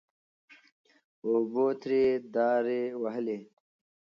اوبو ترې دارې وهلې. .